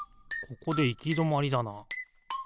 ここでいきどまりだな。